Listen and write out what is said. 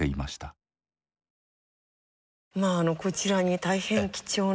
まあこちらに大変貴重な。